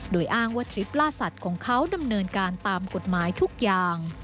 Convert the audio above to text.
โดยอ้างว่าทริปล่าสัตว์ของเขาดำเนินการตามกฎหมายทุกอย่าง